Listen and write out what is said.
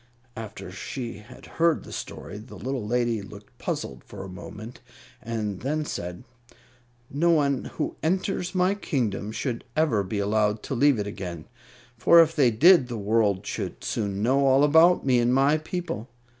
After she had heard the story, the little lady looked puzzled for a moment and then said, "No one who enters my kingdom should ever be allowed to leave it again, for if they did the world should soon know all about me and my people.